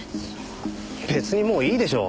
別にもういいでしょ。